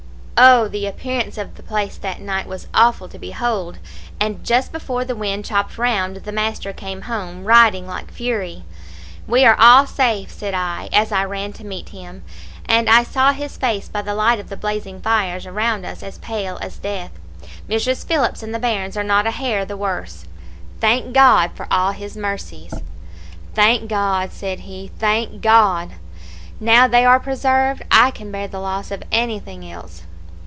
"Oh! the appearance of the place that night was awful to behold; and just before the wind chopped round the master came home, riding like fury. "'We are all safe,' said I, as I ran to meet him, and I saw his face by the light of the blazing fires around us was as pale as death. 'Mrs. Phillips and the bairns are not a hair the worse. Thank God for all his mercies!' "'Thank God!' said he, 'thank God! Now they are preserved, I can bear the loss of anything else!'